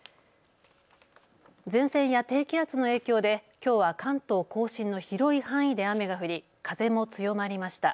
前線や低気圧の影響できょうは関東甲信の広い範囲で雨が降り風も強まりました。